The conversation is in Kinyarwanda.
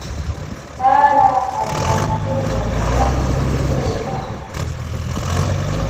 hari abamubona bakiyunamira